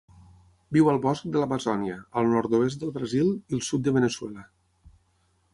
Viu al bosc de l'Amazònia, al nord-oest del Brasil i el sud de Veneçuela.